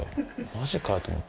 「マジかよ」と思って。